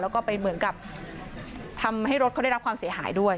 แล้วก็ไปเหมือนกับทำให้รถเขาได้รับความเสียหายด้วย